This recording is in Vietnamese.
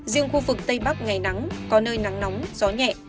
riêng khu vực tây bắc ngày nắng có nơi nắng nóng gió nhẹ